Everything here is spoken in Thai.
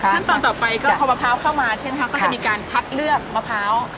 ขั้นตอนต่อไปก็พอมะพร้าวเข้ามาใช่ไหมคะก็จะมีการคัดเลือกมะพร้าว